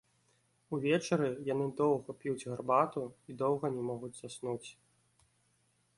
Увечары яны доўга п'юць гарбату і доўга не могуць заснуць.